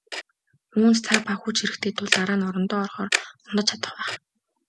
Үүнд цаг ба хүч хэрэгтэй тул дараа нь орондоо орохоор унтаж чадах байх.